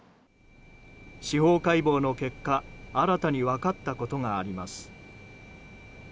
司法解剖の結果新たに分かったことがあります。